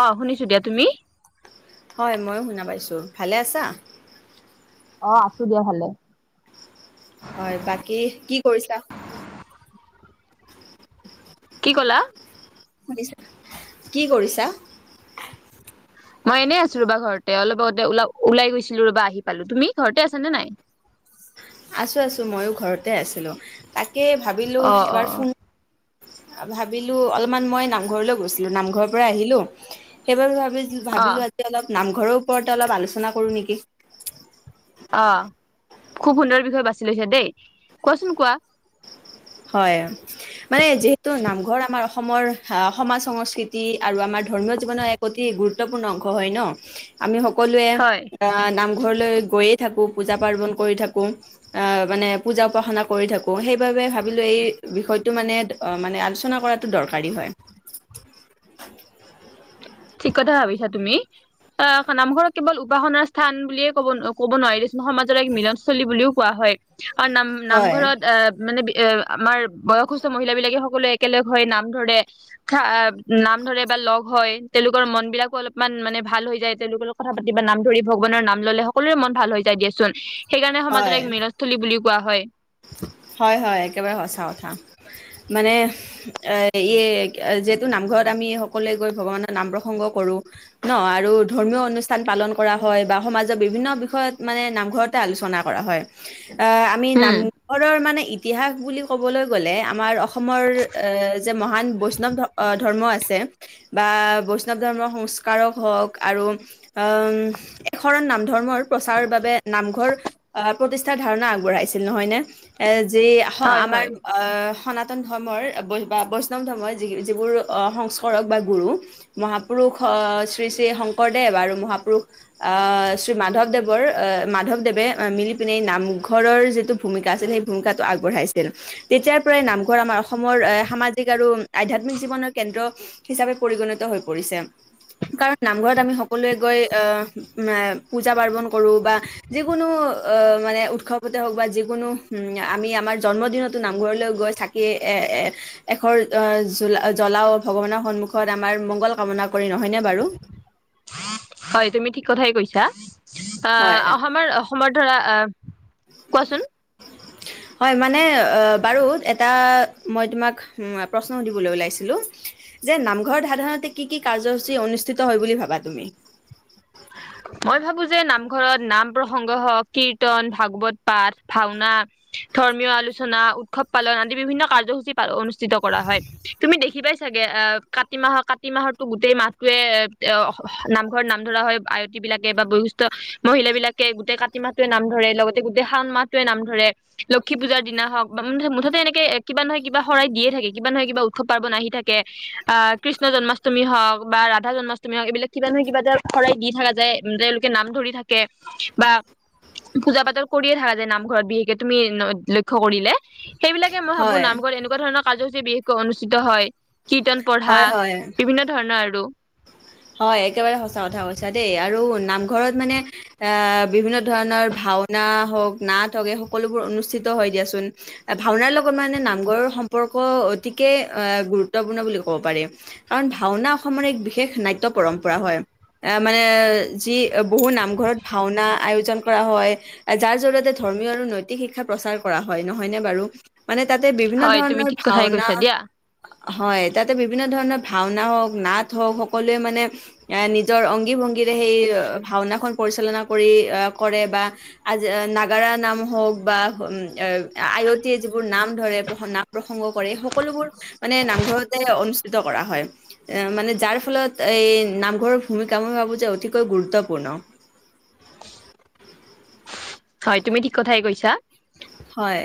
অ' শুনিছো দিয়া তুমি। হয় ময়ো শুনা পাইছোঁ, ভালে আছা। অ' আছো দিয়া ভালে। হয় বাকি কি কৰিছা? কি ক'লা? শুনিছা, কি কৰিছা? মই এনেই আছো ৰ'বা ঘৰতে অলপ আগতে ওলা ওলাই গৈছিলো ৰবা আহি পালো তুমি ঘৰতে আছা নে নাই। আছোঁ আছোঁ মইয়ো ঘৰতে আছিলোঁ। তাকে ভাবিলো অ অ এবাৰ ফোন ভাবিলোঁ অলপমান মই নামঘৰলৈ গৈছিলো নামঘৰৰ পৰা আহিলো, সেইবাবে ভাব অ অ ভাবিলো আজি অলপ নাম ঘৰৰ ওপৰতে অলপ আলোচনা কৰোঁ নেকি। অ'। খুব সুন্দৰ বিষয় বাছি লৈছে দেই, কোৱাচোন কোৱা। হয়, মানে যিহেতু নামঘৰ আমাৰ অসমৰ সমাজ সংস্কৃতি আৰু আমাৰ ধৰ্ম্মীয় জীৱনৰ এক অতি গুৰুত্বপূৰ্ণ অংশ হয় ন'। আমি সকলোৱে এ হয়। নাম নামঘৰলৈ গৈয়েই থাকো পূজা পাৰ্বন কৰি থাকো অ' মানে পূজা উপসনা কৰি থাকো সেইবাবে [unintelligible] এই বিষয়টো মানে আলোচনা কৰাতো দৰকাৰী হয়। ঠিক কথা ভাবিছাঁ তুমি। অ' নামঘৰত কেৱল উপাসনাৰ স্থান বুলিয়ে কব ক'ব নোৱাৰি সমাজৰ এক মিলনস্থলী বুলিও কোৱা হয়। অ' নাম হয় নামঘৰত অ' মানে এ আমাৰ বয়সস্থ মহিলা বিলাকে সকলোৱে একেলগ হৈ নাম ধৰে খা নাম ধৰে বা লগ হয়। তেওঁলোকৰ মন বিলাকো অলপমান মানে ভাল হৈ যায় তেওঁলোকৰ লগ কথা পাতি বা নাম ধৰি ভগৱানৰ নাম ল'লে সকলোৰে মন ভাল হৈ যায় দিয়াচোন। সেইকাৰণে সমাজত হয় এক মিলস্থলী বুলি কোৱা হয়। হয় হয় একেবাৰে সঁচা কথা, মানে এ ই যিহেতু নামঘৰত আমি সকলোৱে গৈ ভগৱানৰ নাম প্ৰসংগ কৰো ন আৰু ধৰ্মীয় অনুষ্ঠান পালন কৰা হয় বা সমাজৰ বিভিন্ন বিষয়ত মানে নামঘৰতে আলোচনা কৰা হয়। অ' আমি নাম উম [unintelligible] মানে ইতিহাস বুলি ক'বলৈ গ'লে আমাৰ অস অসমৰ যে মহান বৈষ্ণৱ ধ ধৰ্ম, বা বৈষ্ণৱ ধৰ্মৰ সংস্কাৰক হওক আৰু উ এশৰণ নাম ধৰ্মৰ প্ৰচাৰৰ বাবে নামঘৰ প্ৰতিষ্ঠাৰ ধাৰণা আগবঢ়াইছিল নহয়নে? এ যি হয় আমাৰ হয় সনাতন ধৰ্মৰ বা বৈষ্ণৱ ধৰ্মৰ য যিবোৰ সংস্কৰক বা গুৰু মহাপুৰুষ আহ শ্ৰী শ্ৰী শংকৰদেৱ আৰু মহাপুৰুষ অ' শ্ৰী মাধৱ দেৱ মাধৱদেৱে মিলি পিনে নামঘৰৰ যিটো ভূমিকা আছিল সেই ভূমিকাটো আগবঢ়াইছিল তেতিয়াৰ পৰাই নামঘৰ আমাৰ অসমৰ এ সামাজিক আৰু আধ্যাত্মিক জীৱনৰ কেন্দ্ৰ হিচাপে পৰিগণিত হৈ পৰিছে কাৰণ নামঘৰত আমি সকলোৱে গৈ আহ পূজা পাৰ্বন কৰো বা যিকোনো আহ মানে উৎসৱতে হওক বা যিকোনো উ আমি আমাৰ জন্মদিনতো নামঘৰলৈ গৈ চাকি এ এশৰ জলা জ্বলাও ভগৱানৰ সন্মুখত আমাৰ মংগল কামনা কৰি নহয়নে বাৰু? হয় তুমি ঠিক কথাই কৈছা। অ হয় আমাৰ সময় ধৰা কোৱাচোন হয় মানে বাৰু এটা মই তোমাক প্ৰশ্ন সুধিবলৈ ওলাইছিলো যে নামঘৰ ধাৰাধাৰণতে কি কি কাৰ্য্যসূচী অনুষ্ঠিত হয় বুলি ভাবা তুমি? মই ভাবো যে নামঘৰত নাম প্ৰসংগ হওক কীৰ্তন ভাগৱত পাঠ ভাওনা ধৰ্মীয় আলোচনা উৎসৱ পালন আদি বিভিন্ন কাৰ্যসূচী প অনুষ্ঠ কৰা হয় তুমি দেখি পাই চাগে অ কাতি মাহৰ কাতি মাহতো গোটেই মাহটোৱে এ নামঘৰত নাম ধৰা হয়। আয়তী বিলাকে বা বয়সিস্থষ্ঠ মহিলা বিলাকে গোটেই কাতি মাহোৱে নাম ধৰে লগতে গোটেই শাও মাহটোৱে নাম ধৰে লক্ষী পুজাৰ দিনা হওক বা মু মুঠতে এনেকে কিবা নহয় কিবা শৰাই দিয়ে থাকে কিবা নহয় কিবা উৎসৱ পাৰ্বন আহি থাকে আহ কৃষ্ণ জন্মাষ্টমী হওক বা ৰাধা জন্মাষ্টমী হওক এইবিলাক কিবা নহয় কিবা এ শৰাই দি থাককা যায় তেওঁলোকে নাম ধৰি থাকে বা পূজা পাতল কৰিয়ে থাকা যায় নামঘৰত বিশেষকে তুমি লক্ষয় কৰিলে। সেইবাক মই ভাবো হয় নামঘৰ এনেকুৱা ধণৰ কাৰ্যসূচী বিশেষকৈ অনুষ্ঠিত হয়। কীৰ্তন পঢ়া হয় হয় বিভিন্ন ধৰণৰ আৰু। হয় একেবাৰে সচা কথা কৈছা দেই আৰু নামঘৰত মানে আহ বিভিন্ন ধৰণৰ ভাওনা হওঁক নাট হওক এই সকলোবোৰ অনুষ্ঠিত হয় দিয়াচোন ভাওনাৰ লগত মানে নামঘৰৰ সম্পৰ্ক অতিকে আহ গুৰুত্বপূৰ্ণ বুলি ক'ব পাৰি কাৰণ ভাওনা অসমৰ এক বিশেষ নাট পৰম্পৰা হয় এ মানে যি বহু নামঘৰত ভাওনা আয়োজন। কৰা হয় যাৰ জৰিয়তে ধৰ্মীয় আৰু নৈতিক শিক্ষাৰ প্ৰচাৰ কৰা হয় নহয়নে বাৰু? মানে তাতে বিভিন্ন হয় তুমি ধৰণৰ ঠিক কথাই ভাওনা কৈছা দিয়া হয় তাতে বিভিন্ন ধৰণৰ ভাওনা হওক নাট হওক সকলো মানে নিজৰ অং ভংগীৰে সেই ভাওনাখন পৰিচালনা কৰি কৰে বা আজি নাগাৰা নাম হওক বা আয়তি যিবোৰ নাম ধৰে নাক প্ৰসংগ কৰে সকলোবোৰ মানে নামঘৰতে অনুষ্ঠিত কৰা হয় এ মানে যাৰ ফলত এই নামঘৰৰ ভূমিকা মই ভাবো যে অতিকৈ গুৰুত্বপূৰ্ণ হয় তুমি ঠিক কথাই কৈছা হয়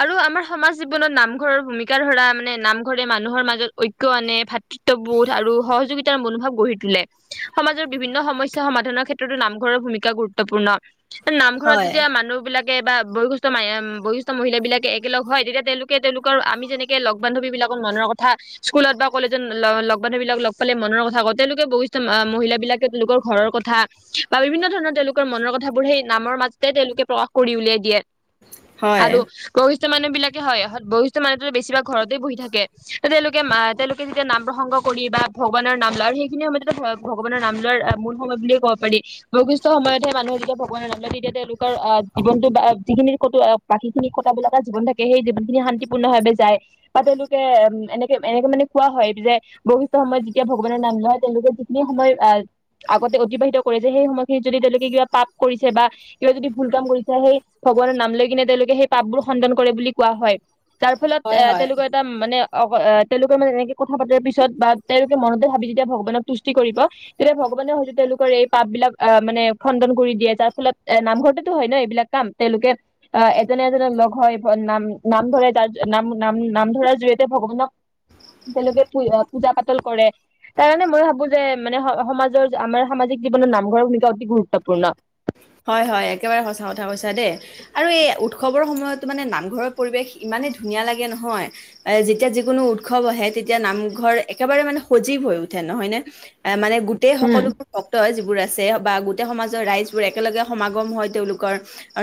আৰু আমাৰ সমাজ জীৱনত নামঘৰৰ ভূমিকা ধৰা মানে নামঘৰে মানুহৰ মাজত ঐক্য আনে ভাতৃত্ববোধ আৰু সহযোগিতাৰ মনোভাৱ গঢ়ি তোলে সমাজৰ বিভিন্ন সমস্যা সমাধানৰ ক্ষেত্ৰতো নামঘৰৰ ভূমিকা গুৰুত্বপূৰ্ণ নামঘৰত হয় যেতিয়া মানুহ বিলাক বা বয়স বয়সস্থ মহিলা বিলাকে একেলগ হয় তেতিয়া তেওঁলোকে তেওঁলোকৰ আমি যেনেকে লগ বান্ধৱী বিলাকত মনৰ কথা স্কুলত বা কলেজত লগ বান্ধৱী বিলাক লগ পালে মনৰ কথা কওঁ তেওঁলোকে বয়সস্থ মহিল বিলাকে তেওঁলোকৰ ঘৰৰ কথা বা বিভিন্ন ধৰণৰ তেওঁলোকৰ মনৰ কথাবোৰ সেই নামৰ মাজত তেওঁলোকে প্ৰকাশ কৰি উলিয়াই দিয়ে। হয় আৰু ক বষ্ঠ মানুহ বিলাকে হয় বৈশিষ্ঠ মানুহো বেছি বা ঘৰই বহি থাকে। তে তেওঁলোকে আহ তেওঁলোক যেতিয়া নাম প্ৰসংগ কৰি বা ভগৱানৰ নাম লয় আৰু সেইখিনি সময়তে ভগৱানৰ নাম লোৱাৰ মূল সময় বুলে ক'ব পাৰি। বয়সস্থ সময়তহে মানুহে যেতিয়া ভগৱানৰ নাম লয় তেতিয়া তেওঁলোকে আহ জীৱনটো বা যিখিনি ক বাকী খিনি ক বলটা জীৱন থাকে সেই জীৱন খিনি শান্তিপূৰ্ণ ভাৱে যায় বা তেওঁলোকে উ এনেকে এনেকে মানে কোৱা হয় যে বৈশিষ্ট সময়ত যেতিয়া ভগৱানৰ নাম নয় তেওঁলোকে যিখিনি সময় আহ আগতে অতিবাহিত কৰিছে সেই সময়খিনিত যদি তেওঁলোকে কিবা পাপ কৰিছে বা কিবা যদি ভুল কাম কৰিছে সেই ভগৱানৰ নাম লৈ কিনে তেওঁলোকে সেই পাপবোৰ খণ্ডন কৰে বুলি কোৱা হয়। যাৰ ফলত হয় এ হয় তেওঁলোকৰ এটা মানে অ তেওঁলোকৰ মানে এনেকে কথা পাতাৰ পিছত বা তেওঁলোকে মনতে ভাবি যেতিয়া ভগৱানক তুষ্টি কৰিব তেতিয়া ভগৱানে হয়তো তেওঁলোকৰ এই পাপ বিলাক আহ মানে খণ্ডন কৰি দিয়ে। যাৰ ফলত এ নামঘৰতেতো হয় ন এইবিলাক কাম তেওঁলোকে আহ এজনে এজনে লগ হয় নাম নাম ধৰে তাৰ নাম নাম নাম ধৰাৰ জৰিয়তে ভগৱানক তেওঁলোকে পূজা পাতল কৰে তাৰ কাৰণে মই ভাবো যে মানে সমাজৰ আমাৰ সামাজিক জীৱনত নামঘৰৰ ভূমিকা অতি গুৰুত্বপূৰ্ণ। হয় হয় একেবাৰে সঁচা কথা কৈছা দেই আৰু এই উৎসৱৰ সময়তো মানে নামঘৰৰ পৰিৱেশ ইমানে ধুনীয়া লাগে নহয় এ যেতিয়া যিকোনো উৎসৱ আহে তেতিয়া নামঘৰ একেবাৰে মানে সজীৱ হৈ উঠে। নহয় নে মানে গোটেই উম। সকলোবোৰ ভক্ত যিবোৰ আছে বা গোটেই সমাজৰ ৰাইজ বোৰ একেলগে সমাগম হয় তেওঁলোকৰ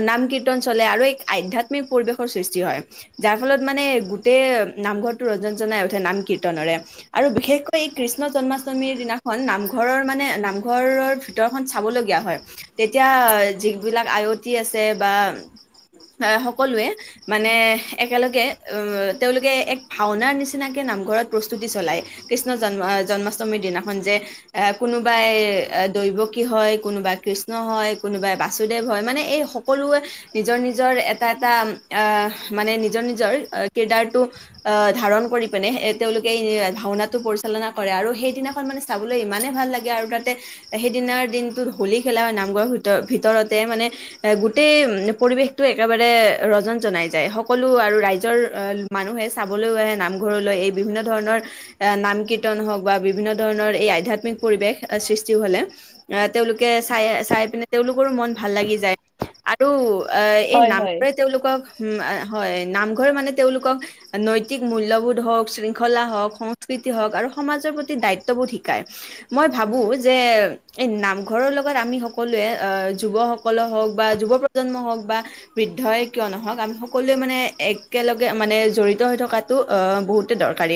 নাম কীৰ্তন চলে আৰু এক আধ্যাত্মিক পৰিৱেশৰ সৃষ্টি হয় যাৰ ফলত মানে গোটেই নামঘৰটো ৰঞ্জন জনাই উঠে নাম কীৰ্তনেৰে আৰু বিশেষকৈ এই কৃষ্ণ জন্মাষ্টমীৰ দিনাখন নামঘৰৰ মানে নামঘৰৰ ভিতৰখন চাবলগীয়া হয়। তেতিয়া যিবিলাক আয়তী আছে বা সকলোৱে মানে একেলগে আহ তেওঁলোকে এক ভাওনাৰ নিচিনাকে নামঘৰত প্ৰস্তুতি চলায়, কৃষ্ণ জন্ম জন্মাষ্টমীৰ দিনাখন যে এ কোনোবাই দৈৱকি হয়, কোনোবাই কৃষ্ হয় কোনোবাই বাসুদেৱ হয় মানে এই সকলোৱে নিজৰ নিজৰ এটা এটা আহ মানে নিজৰ নিজৰ কদাৰটো ধাৰণ কৰি পিনে তেওঁলোকে এই ভাওনাটো পৰিচালনা কৰে আৰু সেইদিনাখন মানে চাবলৈ ইমানেই ভাল লাগে আৰু তাতে সেইদিনাৰ দিনটোত হলী খেলা হয় নামঘৰৰ ভ ভিতৰতে মানে এ গোটেই পৰিৱেশটো একেবাৰে ৰজন জনাই যায়, সকলো আৰু ৰাইজৰ মানুহে চাবলৈও আহে নামঘৰলৈ এই বিভিন্ন ধৰণৰ এ নাম কীৰ্তন হওক বা বিভিন্ন ধৰণৰ এই আধ্যাত্মিক পৰিৱেশ সৃষ্টি হলে তেওঁলোকে চাই চাই পিনে তেওঁলোকৰো মন ভাল লাগি যায় আৰু অ এই হয় নাম হয়। টোৱছ তেওঁলোকক উম হয় নামঘৰ মানে তেওঁলোকক নৈতিক মূল্যবোধ হওক, শৃংখলা হওক, সংস্কৃতি হওক আৰু সমাজৰ প্ৰতি দায়িত্ববোধ শিকায়। মই ভাবো যে এই নাম ঘৰৰ লগত আমি সকলোৱে যুৱসকললে হওক বা যুৱ প্ৰজন্ম হওক বা বৃদ্ধই কিয় নহওক, আমি সকলোৱে মানে একেলগে মানে জড়িত হৈ থকাটো বহুতে দৰকাৰী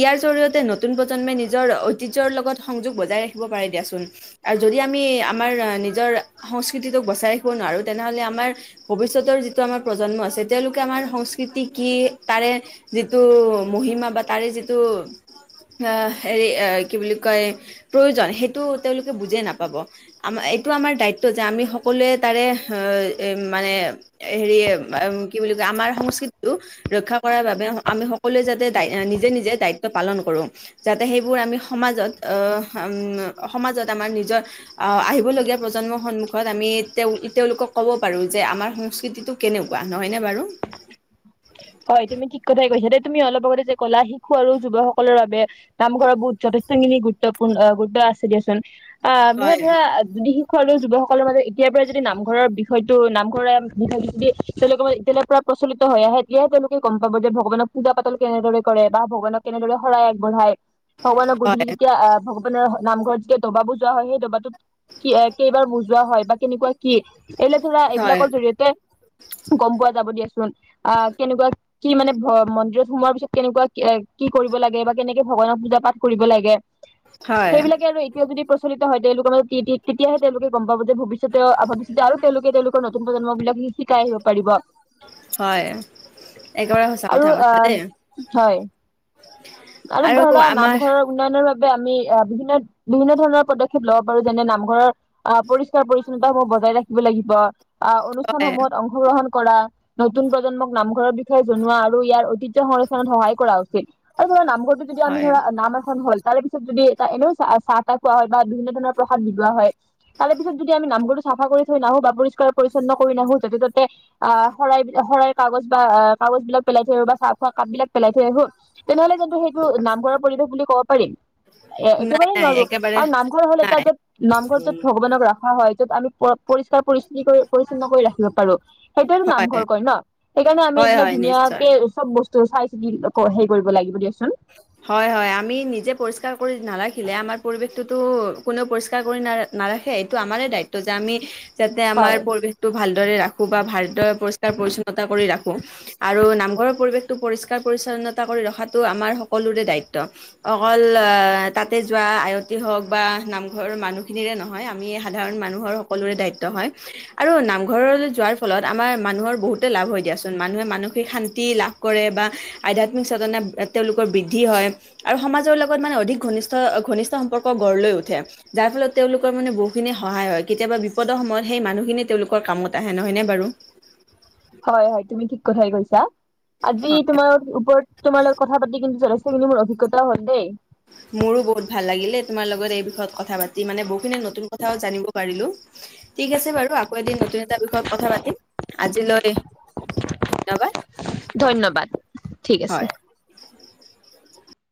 ইয়াৰ জৰিয়তে নতুন প্ৰজন্মে নিজৰ ঐতিহ্যৰ লগত সংযোগ বজাই ৰাখিব পাৰে দিয়াচোন। আৰু যদি আমি আমাৰ নিজৰ সংস্কৃতিটোক বচাই ৰাখিব নোৱাৰোঁ, তেনেহ'লে আমাৰ ভৱিষ্যতৰ যিটো আমাৰ প্ৰজন্ম আছে তেওঁলোকে আমাৰ সংস্কৃতি কি তাৰে যিটো মহিমা বা তাৰে যিটো হেৰি কি বুলি কয় প্ৰয়োজন সেইটো তেওঁলোক বুজ নাপাব আমাৰ এইটো আমাৰ দায়িত্ব যে আমি সকলোৱে তাৰে মানে হেৰি কি বুলি কয় আমাৰ সংস্কৃতিটো ৰক্ষা কৰাৰ বাবে আমি সকলোৱে যাতে নিজে নিজে দায়িত্ব পালন কৰোঁ, যাতে সেইবোৰ আমি সমাজত সমাজত আম নিজৰ আহিবলগীয়া প্ৰজন্মৰ সন্মুখত আমি তেওঁলোকক ক'ব পাৰো যে আমাৰ সংস্কৃতিটো কেনেকুৱা নহয় ন বাৰু? হয় তুমি ঠিক কথাই কৈছা দে তুমি অলপ আগতে যে কলা শিশু আৰু যুৱ সকলৰ বাবে নামঘৰৰ বহুত যথেষ্টখিনি গুৰুত্বপূৰ্ণ গুৰুত্ব আছে দিয়াচোন। অ ম হয় ধৰা খোৱাল যুৱকসকলৰ মাজত এতিয়াৰ পৰাই যদি নামঘৰৰ বিষয়টো নামঘৰৰে বিষয় যদি তেওঁলোকৰ ম এতিয়ালাৰ পৰা প্ৰচলিত হৈ আহে এতিয়াহে তেওঁলোকে গম পাব যে ভগৱানক পূজা পাতল কেনেদৰে কৰে বা ভগৱানক কেনেদৰে শৰাই আগবঢ়ায়। ভগৱানৰ গধূলি হয় যেতিয়া আহ ভগৱানৰ নামঘৰত যে দবা বুজোৱা হয় সেই দবাটোত কি কেইবাৰ বুজোৱা হয় বা কেনেকুৱা কি? এনে ধৰা হয় এইবিলাকৰ জৰি়য়তে গম পোৱা যাব দিয়াচোন আহ। কেনেকুৱা কি মানে মন্দিৰত সোমোৱাৰ পিছত কেনেকুৱা কি কৰিব লাগে বা কেনেকে ভগৱানৰ পূজা পাঠ কৰিব লাগে হয় সেইবিলাকে আৰু এতিয়া যদি প্ৰচলিত হয় তেওঁলোকৰ তেতিয়াহে তেওঁলোকে গম পাব যে ভৱিষ্যতে আৰু তেওঁলোকে তেওঁলোকৰ নতুন প্ৰজন্ম বিলাক শিকাই আহিব পাৰিব। হয় একেবাৰে সঁচা কথা আৰু অ কৈছা দেই হয় আৰু ধৰা নামঘৰৰ উন্নয়নৰ বাবে আমি অহ বিভিন্ন বিভিন্ন ধৰণৰ পদক্ষেপ লব পাৰো যেনে নামঘৰৰ আহ পৰিষ্কাৰ পৰি্ছন্নতামূহ বজাই ৰাখিব লাগিব। অহ হয় অনুষ্ঠানসমূহত অংশগ্ৰহণ কৰা, নতুন প্ৰজন্মক নামঘৰৰ বিষয়ে জনোৱা আৰু ইয়াৰ ঐ তিহ্য সংৰক্ষণত সহায় কৰা উচিত আৰু ধৰা নামঘৰটো যদি আমি হয় ধৰা নাম এখন হ'ল তাৰে পিছত যদি এটা এনেও চা- চাহ তাহ খোৱা হয়, বা বিভিন্ন ধৰণৰ প্ৰসাদ বিলোৱা হয়। তাৰে পিছত যদি আমি নামঘৰটো চাফা কৰি থৈ নাহো বা পৰিষ্কাৰ পৰিচ্ছন্ন কৰি নাহো, য'তে পায় ত'তে আহ শৰাই শৰাই কাগজ বা কাগজ বিলাক পেলাই থৈ আহো বা চাহ খোৱা কাপ বিলাক পেলাই থৈ আহো তেনেহলে কিন্তু সেইটো নামঘৰৰ পৰিৱেশ বুলি কব পাৰিম? এ নাই একেবাৰেই নাই নোৱাৰো একেবাৰে আৰু নামঘৰ হলে এটা নাই য'ত, নামঘৰ য'ত ভগৱানক ৰাখা হয় য'ত আমি পৰিষ্কাৰ পৰি কি কৰোঁ পৰিচ্ছন্ন কৰি ৰাখিব পাৰো, সেইটোৱেটো হয় নামঘৰ কয় ন? সেইকাৰণে আমি হয় এইবিলাক হয় নিশ্চয় ধুনীয়াকে চব বস্তু চাই চিতি হেৰি কৰিব লাগিব দিয়কচোন হয়, হয়, আমি নিজে পৰিষ্কাৰ কৰি নাৰাখিলে আমাৰ পৰিৱেশটোতো কোনেও পৰিষ্কাৰ কৰি নাৰা- নাৰাখে, এইটো আমাৰে দায়িত্ব যে আমি যাতে আমাৰ হয় পৰিৱেশটো ভাল ৰাখোঁ বা ভাৰদৰে পৰিষ্কাৰ পৰিচ্ছন্নতা কৰি ৰাখোঁ। আৰু নামঘৰৰ পৰিৱেশটো পৰিষ্কাৰ পৰিছন্নতা কৰি ৰখাটো আমাৰ সকলোৰে দায়িত্ব। অকল তাতে যোৱা আয়তী হওক বা নামঘৰৰ মানুহখিনিৰে নহয়। আমি সাধাৰণ মানুহৰ সকলোৰে দায়িত্ব হয়। আৰু নামঘৰলৈ যোৱাৰ ফলত আমাৰ মানুহৰ বহুতে লাভ হৈ দিয়াচোন। মানুহে মানসিক শান্তি লাভ কৰে বা আধ্যাত্মিক চেতনা তেওঁলোক বৃদ্ধি হয়। আৰু সমাজৰ লগত মানে অধিক ঘনিষ্ঠ, ঘনিষ্ঠ সম্পৰ্ক গঢ় লৈ উঠে। যাৰ ফলত তেওঁলোকৰ মানে বহুতখিনি সহায় হয়। কেতিয়াবা বিপদৰ সময়ত সেই মানুহখিনিয়ে তেওঁলোকৰ কামত আহে নহয়নে বাৰু। হয়, হয়। তুমি ঠিক কথাই কৈছা আজি হয় তোমাৰ ওপৰত, তোমাৰ লগত কথা পাতি কিন্তু কিন্তু মোৰ অভিজ্ঞতও হল দেই। মোৰো বহুত ভাল লাগিলে। তোমাৰ লগত এই বিষয়ত কথা পাতি। মানে বহুখিনি নতুন কথাও জানিব পাৰিলো। ঠিক আছে বাৰু আকৌ এদিন নতুন এটা বিষয়ত কথা পাতিম। আজিলৈ ধন্যবাদ। ধন্যবাদ। ঠিক আছে। হয়